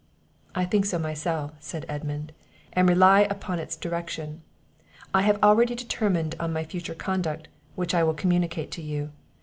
"I think so myself," said Edmund, "and rely upon its direction. I have already determined on my future conduct, which I will communicate to you.